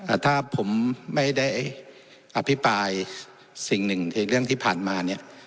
อ่าถ้าผมไม่ได้อภิปรายสิ่งหนึ่งในเรื่องที่ผ่านมาเนี้ย